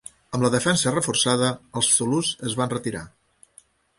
Amb la defensa reforçada, els zulús es van retirar.